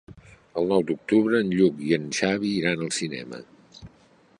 El nou d'octubre en Lluc i en Xavi iran al cinema.